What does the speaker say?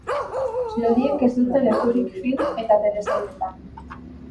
Lodiek ez dute lekurik film eta telesailetan